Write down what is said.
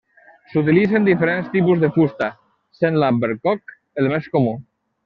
S'utilitzen diferents tipus de fusta, sent l'albercoc el més comú.